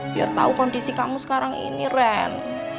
biar tahu kondisi kamu sekarang ini ren